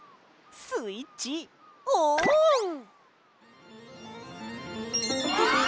スイッチオン！